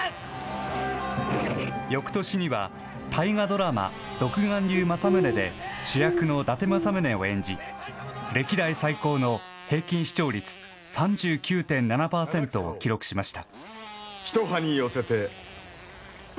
よくとしには大河ドラマ「独眼竜政宗」で主役の伊達政宗を演じ歴代最高の平均視聴率３９．７％を記録しました。